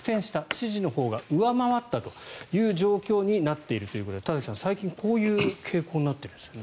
支持のほうが上回ったという状況になっているということで田崎さん、最近こういう傾向になっているんですね。